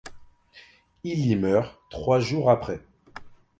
Il y meurt trois jours après.